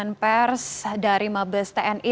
dengan pers dari mabes tni